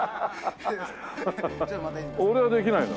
俺はできないの。